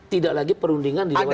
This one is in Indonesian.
tidak lagi perundingan di luar